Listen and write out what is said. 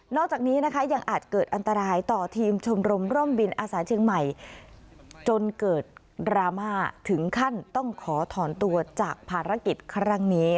จากนี้นะคะยังอาจเกิดอันตรายต่อทีมชมรมร่มบินอาสาเชียงใหม่จนเกิดดราม่าถึงขั้นต้องขอถอนตัวจากภารกิจครั้งนี้